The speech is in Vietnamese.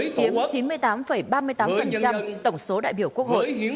chiếm chín mươi tám ba mươi tám tổng số đại biểu quốc hội